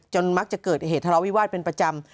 จนมักจะเกิดเหตุธาระวิวาสเป็นประจำ